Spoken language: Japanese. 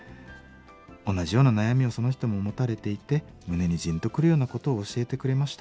同じような悩みをその人も持たれていて胸にジンと来るようなことを教えてくれました。